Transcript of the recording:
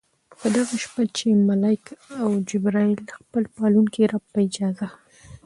په دغه شپه کې ملائک او جبريل د خپل پالونکي رب په اجازه